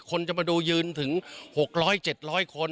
คนจะมาดูยืนถึง๖๐๐๗๐๐คน